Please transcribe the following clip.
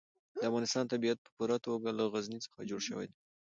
د افغانستان طبیعت په پوره توګه له غزني څخه جوړ شوی دی.